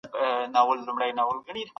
دغي نجلۍ تېره ورځ ډوډې پخه کړه.